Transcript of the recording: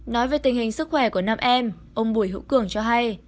nói về tình hình sức khỏe của nam em ông bùi hữu cường cho hay